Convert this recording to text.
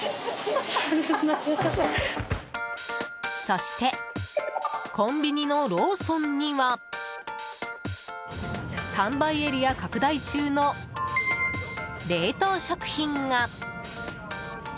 そしてコンビニのローソンには販売エリア拡大中の冷凍食品が。